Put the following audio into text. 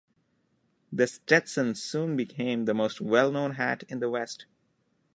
The Stetson soon became the most well known hat in the West.